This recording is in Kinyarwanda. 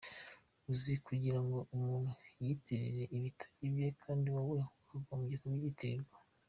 Uzi kugirango umuntu yiyitirire ibitari ibye kandi wowe wakagombye kubyitirirwa”.